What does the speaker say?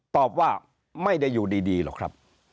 ตอบว่าไม่ได้อยู่ดีหรอกครับ